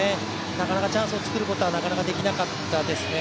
なかなかチャンスを作ることはできなかったですね。